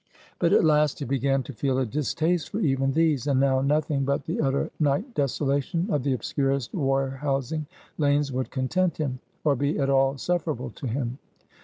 But at last he began to feel a distaste for even these; and now nothing but the utter night desolation of the obscurest warehousing lanes would content him, or be at all sufferable to him.